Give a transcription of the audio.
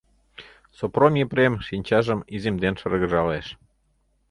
Сопром Епрем шинчажым иземден шыргыжалеш.